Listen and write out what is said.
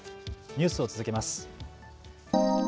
ニュースを続けます。